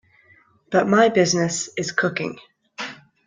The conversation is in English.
But my business is cooking.